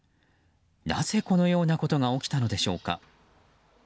なぜこのようなことが起きたのでしょうか。